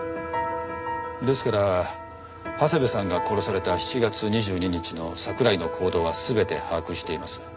ですから長谷部さんが殺された７月２２日の桜井の行動は全て把握しています。